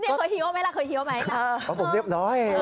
เด็กเคยเฮียวไหมล่ะเคยเฮียวไหมน่ะ